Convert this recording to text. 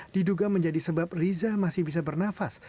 diduga menjadi sebab riza masih bisa bernafas